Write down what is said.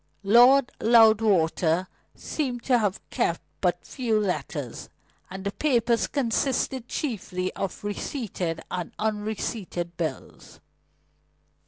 Lord Loudwater seemed to have kept but few letters, and the papers consisted chiefly of receipted and unreceipted bills.